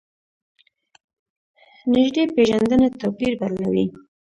نږدې پېژندنه توپیر بدلوي.